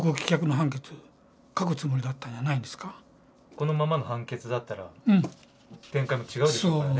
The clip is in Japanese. このままの判決だったら展開も違うでしょうからね。